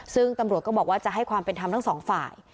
ซึ่งตำรวจก็บอกว่าจะให้ความเป็นธรรมทั้งสองฝ่าย